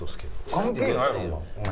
関係ないやろお前。